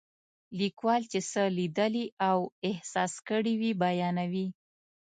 لیکوال چې څه لیدلي او احساس کړي وي بیانوي.